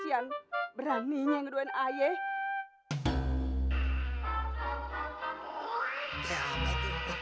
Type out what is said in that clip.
cian beraninya ngurungin ayah